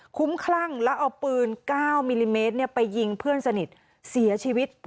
คุ้มคลั่งแล้วเอาปืน๙มิลลิเมตรไปยิงเพื่อนสนิทเสียชีวิต